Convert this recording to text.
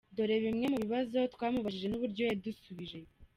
rw, dore bimwe mu bibazo twamubajije n’uburyo yadusubije.